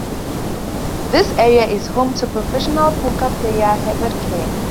This area is home to professional poker player Hevad Khan.